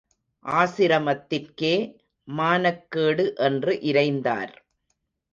ஆசிரமத்திற்கே மானக் கேடு என்று இரைந்தார்.